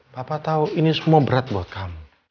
bapak tahu ini semua berat buat kamu